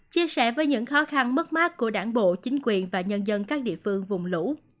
chia sẻ với những khó khăn mất mát của đảng bộ chính quyền và nhân dân các địa phương vùng lũ